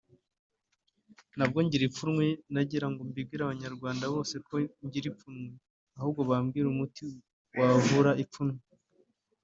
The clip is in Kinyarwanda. nabyo ngira ipfunwe nagirango mbwire abanyarwanda bose ko ngira ipfunwe ahubwo bambwire umuti wavura ipfunwe”